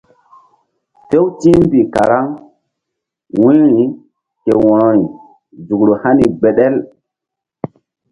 Few ti̧h mbih karaŋ wu̧yri ke wo̧rori nzukru hani gbeɗel.